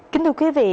kính thưa quý vị